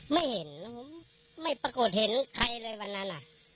ไม่เห็นพร้อมไม่ปรากฏเห็นใครเลยวันนั้น